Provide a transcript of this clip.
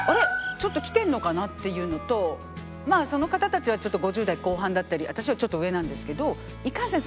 ちょっと来てるのかな？っていうのとまあその方たちはちょっと５０代後半だったり私よりちょっと上なんですけどいかんせん